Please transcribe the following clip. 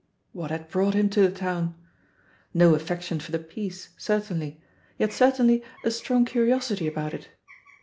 What had brought him to the town? No affection for the piece, certainly, yet certainly a strong curiosity about it.